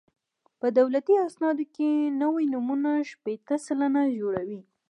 په دولتي اسنادو کې نوي نومونه شپېته سلنه جوړوي